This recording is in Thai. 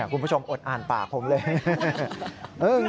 คุณผู้ชมอดอ่านปากผมเลย